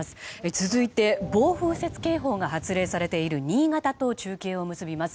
続いて、暴風雪警報が発令されている新潟と中継を結びます。